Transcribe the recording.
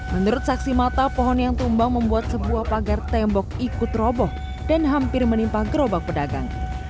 menurut saksi mata pohon yang tumbang membuat sebuah pagar tembok ikut roboh dan hampir menimpa gerobak pedagang